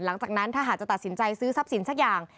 หลังจากนั้นถ้าหากจะตัดสินใจซื้อทรัพย์สินสักอย่าง